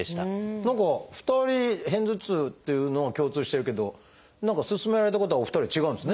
何か２人片頭痛っていうのは共通してるけど何か勧められたことはお二人違うんですね。